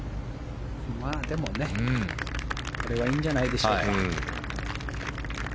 でも、これはいいんじゃないでしょうか。